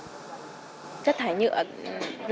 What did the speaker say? chất thải nhựa